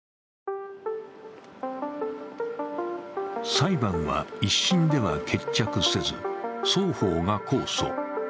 裁判は１審では決着せず双方が控訴。